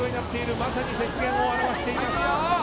まさに雪原を表しています。